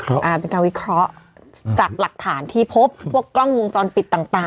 อ่าเป็นการวิเคราะห์จากหลักฐานที่พบพวกกล้องวงจรปิดต่างต่าง